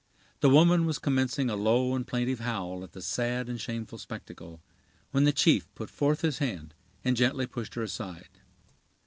The woman was commencing a low and plaintive howl at the sad and shameful spectacle, when the chief put forth his hand and gently pushed her aside.